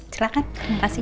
silahkan terima kasih